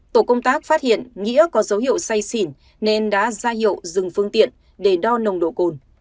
tổ công tác phát hiện nghĩa có dấu hiệu say xỉn nên đã ra hiệu dừng phương tiện để đo nồng độ cồn